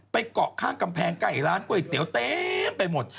เกาะข้างกำแพงใกล้ร้านก๋วยเตี๋ยวเต็มไปหมด